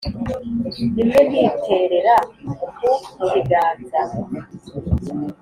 Rimwe nditerera ku kiganza,